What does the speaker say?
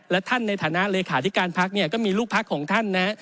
และท่านในฐานะเลขาธิการพักเนี่ยก็มีลูกพักของท่านนะฮะ